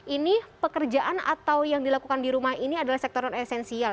ini pekerjaan atau yang dilakukan di rumah ini adalah sektor non esensial